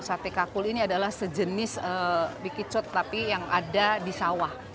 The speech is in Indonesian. sate kakul ini adalah sejenis bikicot tapi yang ada di sawah